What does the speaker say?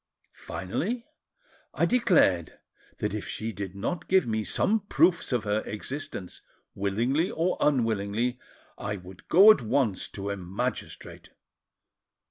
Finally, I declared that if she did not give me some proofs of her existence, willingly or unwillingly, I would go at once to a magistrate.